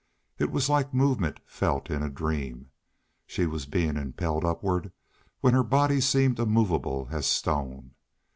It was like movement felt in a dream. She was being impelled upward when her body seemed immovable as stone.